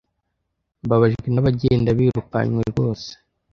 mbabajwe n'abagenda birukanwe rwose